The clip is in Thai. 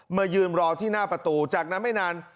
มายืนรอที่หน้าประตูจากนั้นไม่นาน